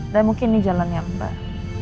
mungkin ini jalannya mbak